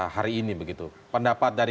hari ini begitu pendapat dari